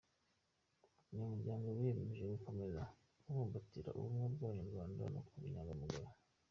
Abanyamuryango biyemeje gukomeza kubumbatira ubumwe bw’ abanyarwanda no kuba inyangamugayo.